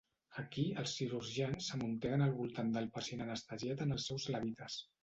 Aquí, els cirurgians s'amunteguen al voltant del pacient anestesiat en els seus levites.